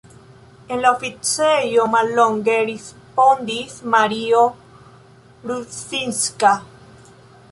En la oficejo, mallonge respondis Mario Rudzinska.